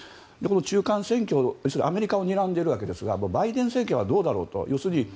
中間選挙、アメリカをにらんでいるわけですがバイデン大統領はどうだろうと。